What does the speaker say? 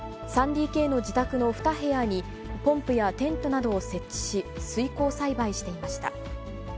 ３ＤＫの自宅の２部屋に、ポンプやテントなどを設置し、水耕栽培していました。